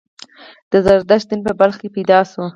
د زردشت دین په بلخ کې پیدا شو